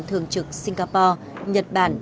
thường trực singapore nhật bản